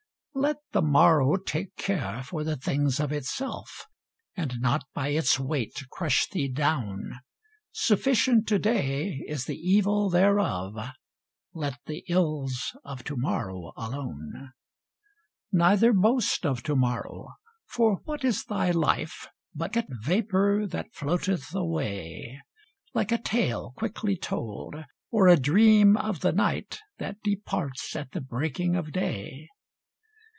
Let the morrow take care for the things of itself, And not by its weight crush thee down; Sufficient to day is the evil thereof, Let the ills of to morrow alone. Neither boast of to morrow, for what is thy life, But a vapor that floateth away; Like a tale quickly told, or a dream of the night, That departs at the breaking of day.